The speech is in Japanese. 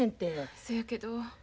そやけど。